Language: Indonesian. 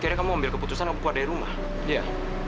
akhirnya kamu ambil keputusan aku keluar dari rumah